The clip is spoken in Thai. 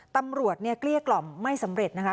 ตำรวจเนี่ยเกลี้ยกล่อมไม่สำเร็จนะคะ